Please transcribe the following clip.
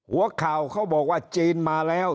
หัวข่าวเขาบอกว่าจีนมาแล้ว